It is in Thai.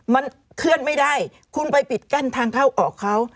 มันเคลื่อนไม่ได้คุณไปปิดกั้นทางเข้าออกเขา